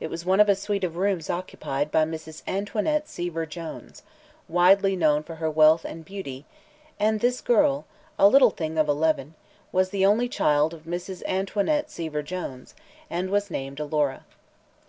It was one of a suite of rooms occupied by Mrs. Antoinette Seaver Jones, widely known for her wealth and beauty, and this girl a little thing of eleven was the only child of Mrs. Antoinette Seaver Jones, and was named Alora.